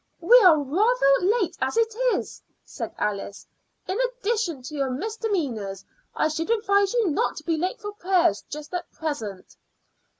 "We are rather late as it is," said Alice. "In addition to your misdemeanors, I should advise you not to be late for prayers just at present."